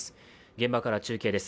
現場から中継です。